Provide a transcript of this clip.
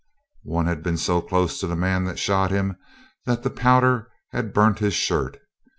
One had been so close to the man that shot him that the powder had burnt his shirt.